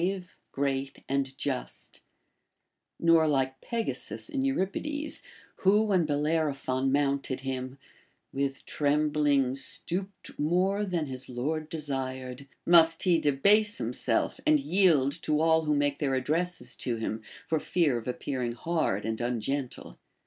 BASHFULNESS 63 great, and just ; nor like Pegasus in Euripides, who, when Bellerophon mounted him, With trembling stooped more than his lord desired,* must he debase himself and yield to all who make their addresses to him, for fear of appearing hard and ungentle.